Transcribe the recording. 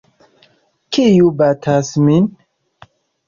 Kiu batas min?